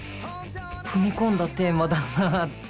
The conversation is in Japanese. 踏み込んだテーマだなって。